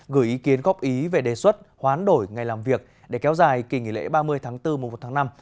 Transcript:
gửi ý kiến góp ý về đề xuất hoán đổi ngày làm việc để kéo dài kỳ nghỉ lễ ba mươi tháng bốn mùa một tháng năm